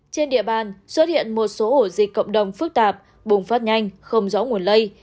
trên địa bàn xuất hiện một số ổ dịch cộng đồng phức tạp bùng phát nhanh không rõ nguồn lây